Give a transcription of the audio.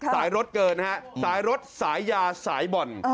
สายรถเกินนะฮะสายรถสายยาสายบ่อน